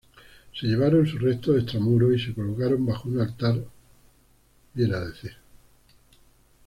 Se llevaron sus restos extramuros y se colocaron bajo un altar viene a decir..